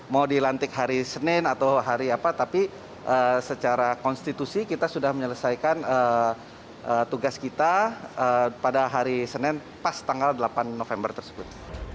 mau dilantik hari senin atau hari apa tapi secara konstitusi kita sudah menyelesaikan tugas kita pada hari senin pas tanggal delapan november tersebut